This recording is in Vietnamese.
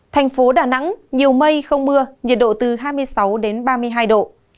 thành phố đà nẵng nhiều mây không mưa nhiệt độ từ hai mươi sáu đến ba mươi hai độ